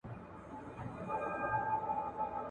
O ګروپ ورزش او غذا په پام کې ونیسي.